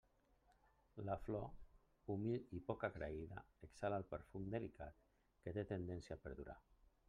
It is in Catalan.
La flor, humil i poc agraïda, exhala el perfum delicat que té tendència a perdurar.